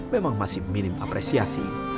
memang masih minim apresiasi